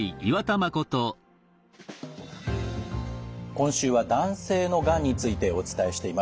今週は男性のがんについてお伝えしています。